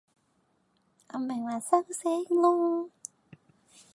我咪話收聲囉